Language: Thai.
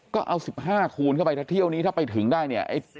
ก็เอา๑๕คูณเข้าไปถ้าเที่ยวนี้ถ้าไปถึงได้เนี่ย